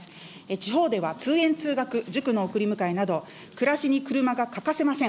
地方では、通園・通学、塾の送り迎えなど、暮らしに車が欠かせません。